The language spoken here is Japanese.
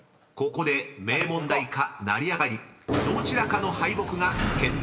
［ここで名門大か成り上がりどちらかの敗北が決定します］